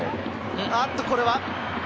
あっとこれは。